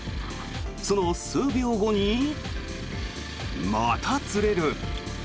その数秒後にまた釣れる。